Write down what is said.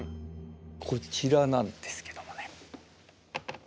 こちらなんですけどもね。